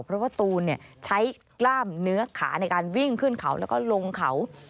เพราะว่าตูนใช้กล้ามเนื้อขาในการวิ่งขึ้นเขาแล้วก็ลงเขา